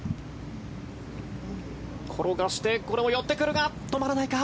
転がしてこれも寄ってくるが止まらないか。